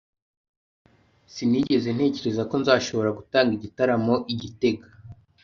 Sinigeze ntekereza ko nzashobora gutanga igitaramo i gitega.